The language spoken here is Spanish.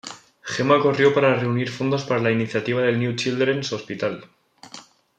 Gemma corrió para reunir fondos para la iniciativa del New Children's Hospital.